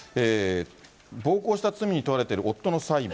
暴行した罪に問われている夫の裁判。